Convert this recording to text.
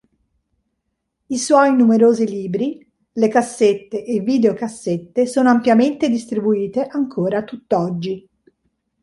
I suoi numerosi libri, le cassette e videocassette sono ampiamente distribuite ancora tutt'oggi.